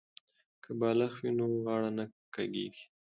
که بالښت وي نو غاړه نه کږیږي.